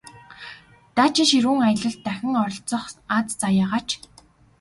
Дайчин ширүүн аялалд дахин оролцох аз заяагаач!